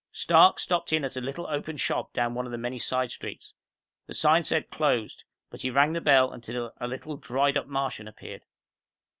Stark stopped in at a little open shop down one of the many side streets. The sign said "Closed," but he rang the bell until a little, dried up Martian appeared.